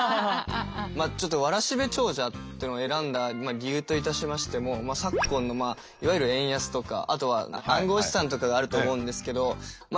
ちょっと「わらしべ長者」っていうのを選んだ理由といたしましても昨今のいわゆる円安とかあとは暗号資産とかがあると思うんですけどま